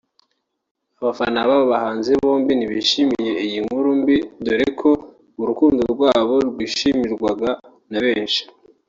abafana b’aba bahanzi bombi ntibishimiye iyi nkuru mbi dore ko urukundo rwabo rwishimirwaga na benshi